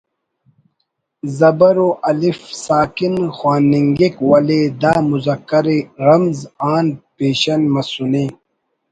زبر و ”الف“ ساکن خواننگک ولے دا مذکر ءِ ”رمض“ آن پیشن مسنے